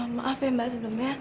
maaf ya mbak sebelumnya